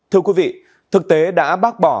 thưa quý vị thực tế đã bác bỏ